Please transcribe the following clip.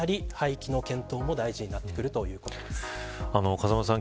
風間さん